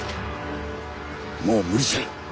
もう無理じゃ。